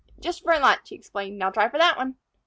"Just for a lunch," he explained. "Now try for that one."